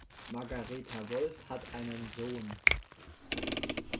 Margareta Wolf hat einen Sohn.